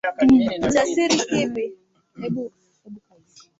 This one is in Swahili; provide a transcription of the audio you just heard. Mtoto amevaa rinda